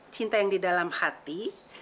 cinta yang di dalam hati